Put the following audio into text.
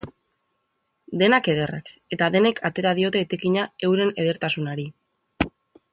Denak ederrak, eta denek atera diote etekina euren edertasunari.